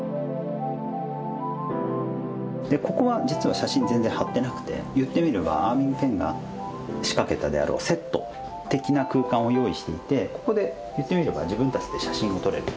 ここは実は写真全然はってなくて言ってみればアーヴィング・ペンが仕掛けたであろうセット的な空間を用意していてここで言ってみれば自分たちで写真が撮れる。